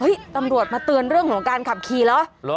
ตำรวจมาเตือนเรื่องของการขับขี่เหรอ